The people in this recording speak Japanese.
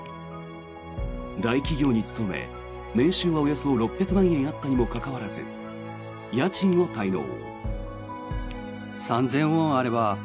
大企業に勤め年収はおよそ６００万円あったにもかかわらず家賃を滞納。